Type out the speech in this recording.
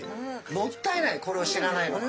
もったいないこれを知らないのは。